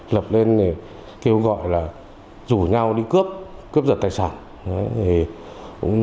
lập lên kêu gọi là rủ nhau đi cướp cướp giật tài sản